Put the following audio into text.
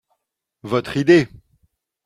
Votre idée.